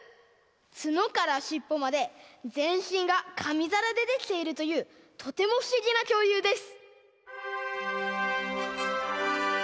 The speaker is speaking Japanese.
つのからしっぽまでぜんしんがかみざらでできているというとてもふしぎなきょうりゅうです。